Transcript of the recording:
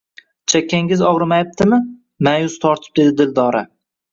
Chakkangiz ogʻrimayaptimi? – maʼyus tortib dedi Dildora.